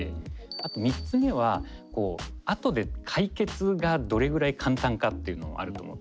あと３つ目はあとで解決がどれぐらい簡単かっていうのはあると思って。